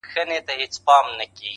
دا نه منم چي صرف ټوله نړۍ كي يو غمى دی~